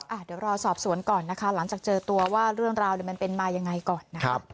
อ่ะเดี๋ยวรอสอบสวนก่อนนะคะหลังจากเจอตัวว่าเรื่องราวมันเป็นมายังไงก่อนนะคะ